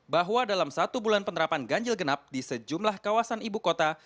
bahwa dalam satu bulan penerapan ganjil genap di sejumlah kawasan ibu kota